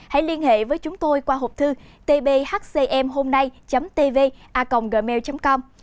hãy liên hệ với chúng tôi qua hộp thư tbhcmhomnay tv a gmail com